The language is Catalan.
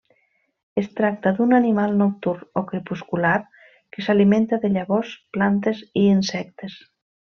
Es tracta d'un animal nocturn o crepuscular que s'alimenta de llavors, plantes i insectes.